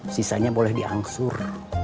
sisanya boleh diangsur